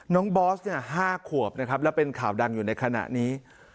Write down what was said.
บอส๕ขวบนะครับแล้วเป็นข่าวดังอยู่ในขณะนี้